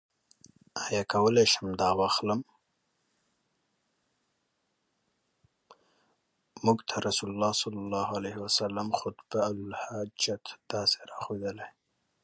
مونږ ته رسول الله صلی الله عليه وسلم خُطْبَةَ الْحَاجَة داسي را ښودلي